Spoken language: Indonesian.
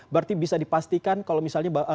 berarti bisa dipastikan kalau misalnya